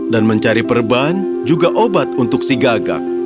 dan mencari perban juga obat untuk si gagak